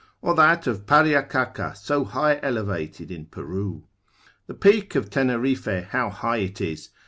or that of Pariacacca so high elevated in Peru. The peak of Tenerife how high it is?